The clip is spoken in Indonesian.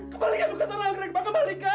kembalikan lukisan anggrek ma kembalikan